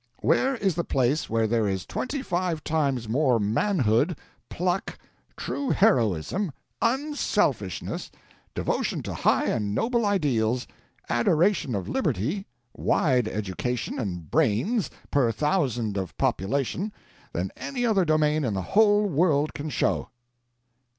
Where is the place where there is twenty five times more manhood, pluck, true heroism, unselfishness, devotion to high and noble ideals, adoration of liberty, wide education, and brains, per thousand of population, than any other domain in the whole world can show?"